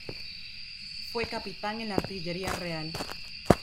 Fue capitán en la Artillería Real.